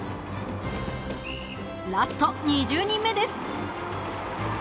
ラスト２０人目です。